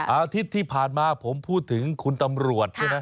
อาทิตย์ที่ผ่านมาผมพูดถึงคุณตำรวจใช่ไหม